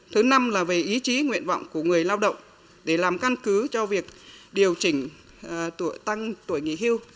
thứ năm là về ý chí nguyện vọng của người lao động để làm căn cứ cho việc điều chỉnh tuổi tăng